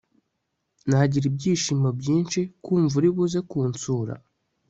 nagira ibyishimo byinshi, kumva uribuze kunsura